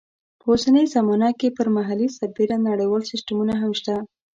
په اوسنۍ زمانه کې پر محلي سربېره نړیوال سیسټمونه هم شته.